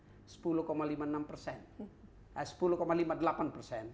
dua ribu dua puluh jelly indonesia yang tertumbuhan sektor informasi komunikasi itu double digit